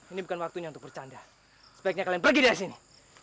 ini bukan waktunya untuk bercanda sebaiknya kalian pergi dari sini